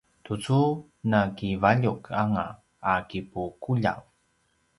tucu nakivaljuq anga a kipuquljav